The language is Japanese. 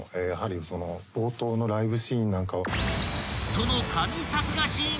［その］